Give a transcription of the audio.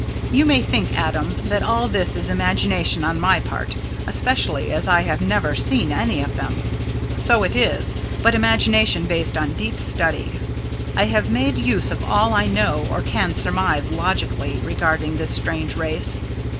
"You may think, Adam, that all this is imagination on my part, especially as I have never seen any of them. So it is, but imagination based on deep study. I have made use of all I know or can surmise logically regarding this strange race.